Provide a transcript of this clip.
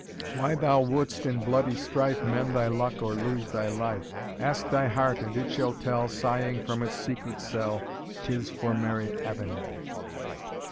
Why thou wouldst in bloody strife Mend thy luck or lose thy life? Ask thy heart, and it shall tell, Sighing from its secret cell, 'Tis for Mary Avenel."